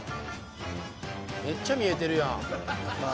めっちゃ見えてるやんまあ